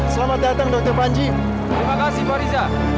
jangan lupa like share dan subscribe ya